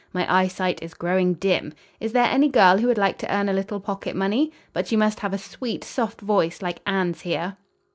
My eyesight is growing dim. Is there any girl who would like to earn a little pocket money? But she must have a sweet, soft voice, like Anne's here."